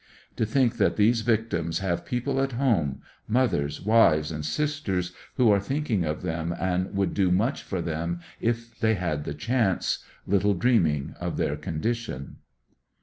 To think that these victims have people at home, mothers, wives and sisters, who are thinking of them and would do much for them if they had the chance, little dreaming of their condition.